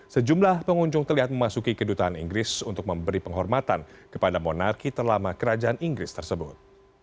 sejumlah pengunjung terlihat memasuki kedutaan inggris untuk memberi penghormatan kepada monarki terlama kerajaan inggris tersebut